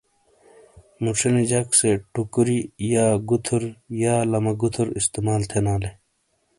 مُچھونے جک سے (ٹوکوری ) (گوتھر ) یا لما گوتھراستعمال تھینالے ۔